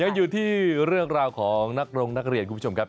อยู่ที่เรื่องราวของนักร้องนักเรียนคุณผู้ชมครับ